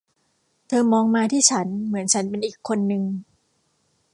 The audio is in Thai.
เธอมองมาที่ฉันเหมือนฉันเป็นอีกคนนึง